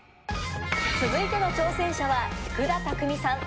続いての挑戦者は、福田拓海さん。